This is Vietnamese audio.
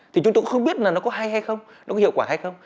thì chúng tôi cũng không biết là nó có hay hay không nó có hiệu quả hay không